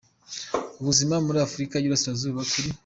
buzima muri Afurika y’Iburasirazuba kuri.